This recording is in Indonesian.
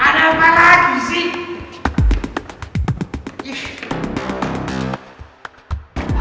ada apa lagi sih